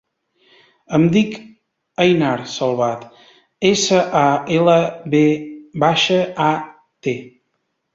Em dic Einar Salvat: essa, a, ela, ve baixa, a, te.